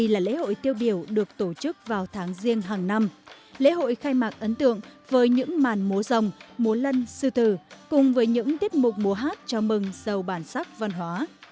lễ hội khai mạc ấn tượng với những màn múa rồng múa lân sư tử cùng với những tiết mục múa hát chào mừng sầu bản sắc văn hóa